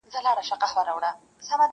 دا د بازانو د شهپر مېنه ده.!